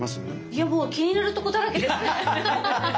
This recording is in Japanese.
いやもう気になるとこだらけですね。